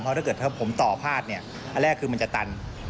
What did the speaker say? เพราะถ้าเกิดผมต่อพาดเนี่ยอันแรกคือมันจะตัน